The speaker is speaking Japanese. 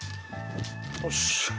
よし。